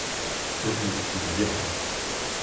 Ur tent-ttmelliḥeɣ.